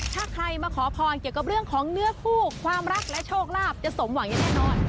ถ้าใครมาขอพรเกี่ยวกับเรื่องของเนื้อคู่ความรักและโชคลาภจะสมหวังอย่างแน่นอน